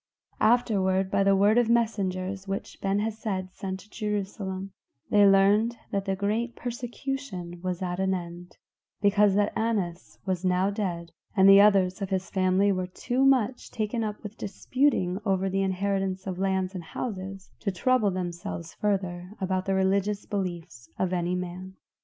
Afterward, by the word of messengers which Ben Hesed sent to Jerusalem, they learned that the great persecution was at an end, because that Annas was now dead, and the others of his family were too much taken up with disputing over the inheritance of lands and houses, to trouble themselves further about the religious beliefs of any man.